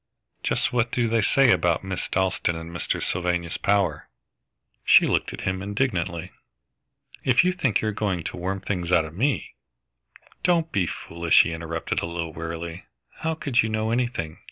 "Just what do they say about Miss Dalstan and Mr. Sylvanus Power?" She looked at him indignantly. "If you think you're going to worm things out of me " "Don't be foolish," he interrupted, a little wearily. "How could you know anything?